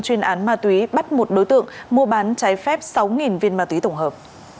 chuyên án ma túy bắt một đối tượng mua bán trái phép sáu viên ma túy tổng hợp